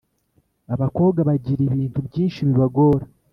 abakobwa bagira ibintu byinshi bibagora